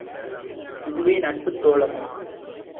இதுவே நட்புத் தோழமை!